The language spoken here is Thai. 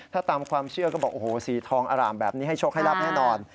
ถ้าตามความเชื่อก็บอกโอ้โหสีทองอร่ามแบบนี้ให้โชคให้รับแน่นอน